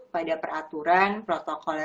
pada peraturan protokol